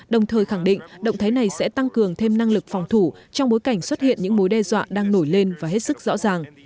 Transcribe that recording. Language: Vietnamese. đồng thời khẳng định động thái này sẽ tăng cường thêm năng lực phòng thủ trong bối cảnh xuất hiện những mối đe dọa đang nổi lên và hết sức rõ ràng